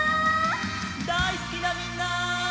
だいすきなみんな！